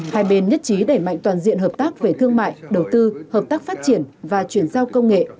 hai bên nhất trí đẩy mạnh toàn diện hợp tác về thương mại đầu tư hợp tác phát triển và chuyển giao công nghệ